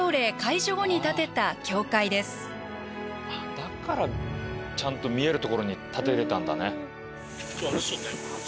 だからちゃんと見える所に建てれたんだね。